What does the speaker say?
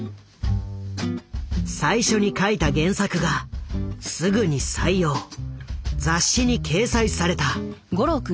最初に書いた原作がすぐに採用雑誌に掲載された。